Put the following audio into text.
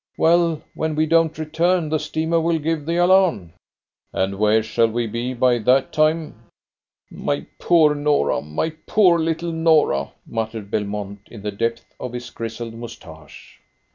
"Well, when we don't return, the steamer will give the alarm." "And where shall we be by that time?" "My poor Norah! My poor little Norah!" muttered Belmont, in the depths of his grizzled moustache.